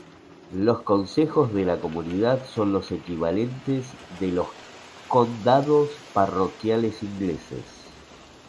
Los concejos de la comunidad son los equivalentes de los condados parroquiales ingleses.